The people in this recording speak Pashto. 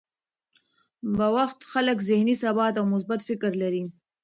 بوخت خلک ذهني ثبات او مثبت فکر لري.